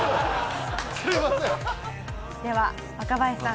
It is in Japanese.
では若林さん